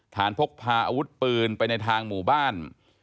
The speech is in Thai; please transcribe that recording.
พกพาอาวุธปืนไปในทางหมู่บ้าน